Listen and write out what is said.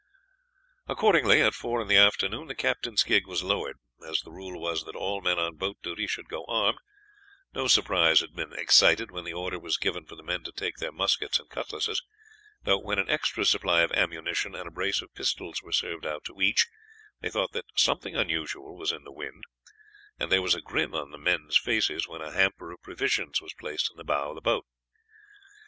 Accordingly, at four in the afternoon the captain's gig was lowered. As the rule was that all men on boat duty should go armed no surprise had been excited when the order was given for the men to take their muskets and cutlasses, though, when an extra supply of ammunition and a brace of pistols were served out to each, they thought that something unusual was in the wind, and there was a grin on the men's faces when a hamper of provisions was placed in the bow of the boat.